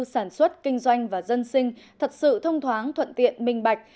sản xuất kinh doanh và dân sinh thật sự thông thoáng thuận tiện minh bạch